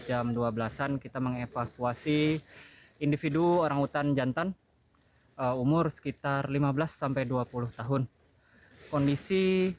jam dua belas an kita mengevakuasi individu orang utan jantan umur sekitar lima belas dua puluh tahun kondisi